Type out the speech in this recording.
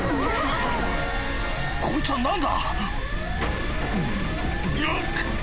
こいつは何だ？